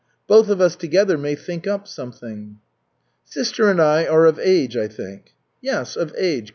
Both of us together may think up something." "Sister and I are of age, I think?" "Yes, of age.